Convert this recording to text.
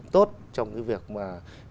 tốt trong cái việc mà